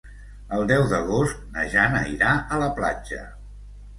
El deu d'agost na Jana irà a la platja.